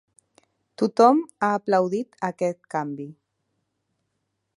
Tothom ha aplaudit aquest canvi.